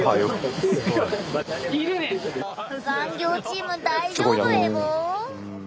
残業チーム大丈夫エボ？